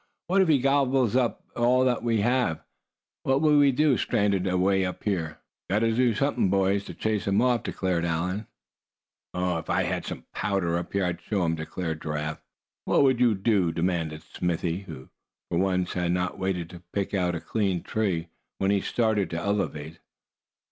what if he gobbles it all up, whatever will we do, stranded away up here?" "We've got to do something, boys, to chase him off," declared Allan. "If I had some powder up here, I'd show him," declared Giraffe. "What would you do?" demanded Smithy, who for once had not waited to pick out a clean tree, when he started to "elevate."